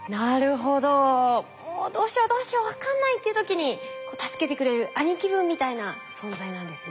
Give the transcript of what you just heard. もうどうしようどうしよう分かんないっていう時に助けてくれる兄貴分みたいな存在なんですね。